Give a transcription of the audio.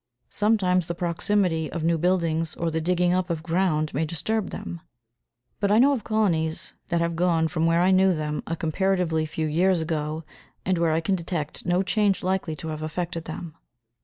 Sometimes the proximity of new buildings or the digging up of ground may disturb them, but I know of colonies that have gone from where I knew them a comparatively few years ago, and where I can detect no change likely to have affected them.